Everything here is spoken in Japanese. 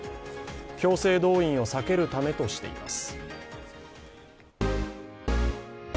強制動員を避けるためとしています。